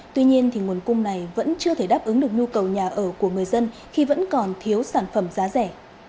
tuy nhiên nguồn cung này vẫn chưa thể đáp ứng được nhu cầu nhà ở của người dân khi vẫn còn thiếu sản phẩm giá rẻ